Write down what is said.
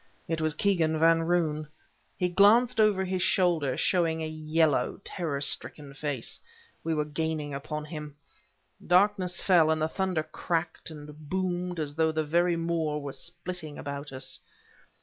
It was Kegan Van Roon. He glanced over his shoulder, showing a yellow, terror stricken face. We were gaining upon him. Darkness fell, and the thunder cracked and boomed as though the very moor were splitting about us.